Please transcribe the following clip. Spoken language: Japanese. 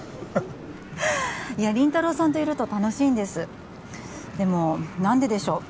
いや林太郎さんといると楽しいんですでも何ででしょう